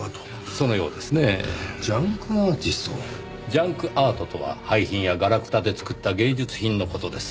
ジャンクアートとは廃品やガラクタで作った芸術品の事です。